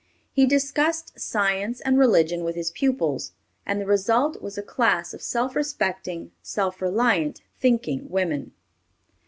He discussed science and religion with his pupils, and the result was a class of self respecting, self reliant, thinking women.